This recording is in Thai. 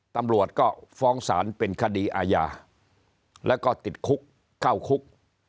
ตำรวจก็ฟ้องศาลเป็นคดีอาญาแล้วก็ติดคุกเข้าคุก